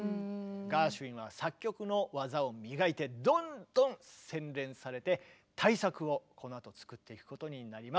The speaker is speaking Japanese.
ガーシュウィンは作曲の技を磨いてどんどん洗練されて大作をこのあと作っていくことになります。